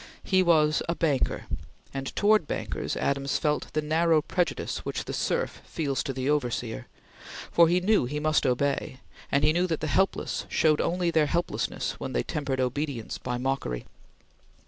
He was a banker, and towards bankers Adams felt the narrow prejudice which the serf feels to his overseer; for he knew he must obey, and he knew that the helpless showed only their helplessness when they tempered obedience by mockery.